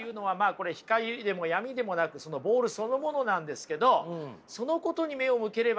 これ光でも闇でもなくそのボールそのものなんですけどそのことに目を向ければね